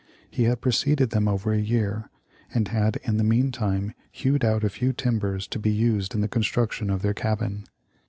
He had preceded them over a year, and had in the meantime hewed out a few timbers to be used in the construction of their cabin.